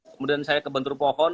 kemudian saya terbentur di pohon